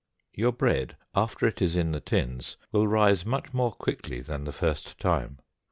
Your bread, after it is in the tins, will rise much more quickly than the first time.